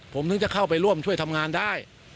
ผมถึงจะเข้าไปร่วมช่วยทำงานได้